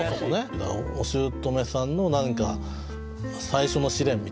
だからおしゅうとめさんの何か最初の試練みたいな。